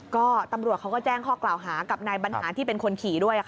ก็ตำรวจเขาก็แจ้งข้อกล่าวหากับนายบรรหารที่เป็นคนขี่ด้วย